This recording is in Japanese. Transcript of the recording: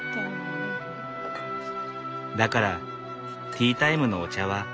だからティータイムのお茶は僕がいれた。